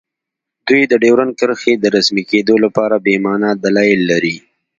دوی د ډیورنډ کرښې د رسمي کیدو لپاره بې مانا دلایل لري